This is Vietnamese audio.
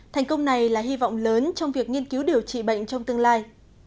thành công này là hy vọng lớn trong việc nghiên cứu điều trị bệnh trong tương lai